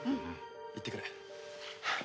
行ってくる。